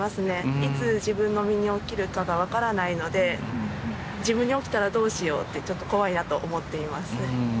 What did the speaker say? いつ自分の身に起きるかが分からないので、自分に起きたらどうしようって、ちょっと怖いなと思っています。